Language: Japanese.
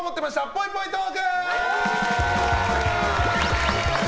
ぽいぽいトーク！